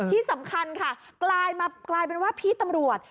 ที่สำคัญค่ะกลายมากลายเป็นว่าพี่ตำรวจ